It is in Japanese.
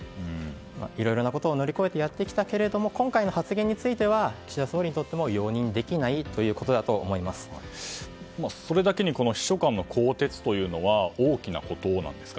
いろいろなことを乗り越えてやってきたけれども今回の発言については岸田総理にとっても容認できないということだとそれだけ秘書官の更迭というのは大きなことなんですか？